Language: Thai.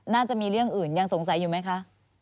น่าจะมีเรื่องอื่นยังสงสัยอยู่ไหมคะ